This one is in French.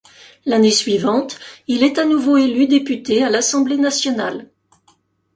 L’année suivante, il est à nouveau élu député à l’Assemblée nationale.